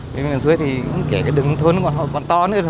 với miền xuôi thì kể cái đường thôn nó còn to nữa